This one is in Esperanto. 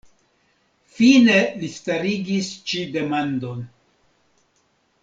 Fine li starigis ĉi demandon.